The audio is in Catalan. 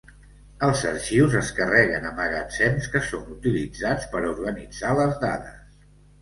Els arxius es carreguen a magatzems, que són utilitzats per a organitzar les dades.